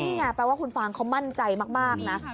นี่ไงแปลว่าคุณฟางเขามั่นใจมากนะ